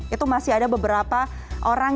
itu masih ada beberapa orang